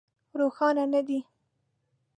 روښانه نه دي.